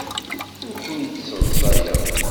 Ur ken-id-sseḍsayeɣ.